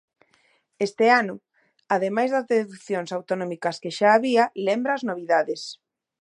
Este ano, ademais das deducións autonómicas que xa había, lembra as novidades.